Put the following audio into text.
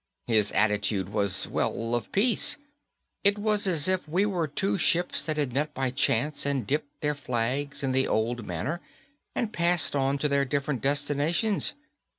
His attitude was well, of peace. It was as if we were two ships that had met by chance and dipped their flags in the old manner and passed on to their different destinations.